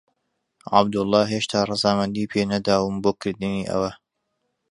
عەبدوڵڵا هێشتا ڕەزامەندیی پێ نەداوم بۆ کردنی ئەوە.